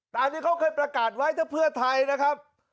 ตามที่เขาเคยประกาศไว้ถ้าเพื่อไทยนะครับ